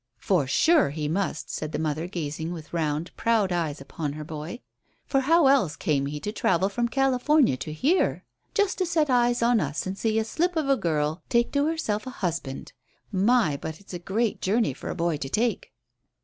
"For sure, he must," said their mother, gazing with round, proud eyes upon her boy, "for how else came he to travel from California to here, just to set his eyes on us and see a slip of a girl take to herself a husband? My, but it's a great journey for a boy to take."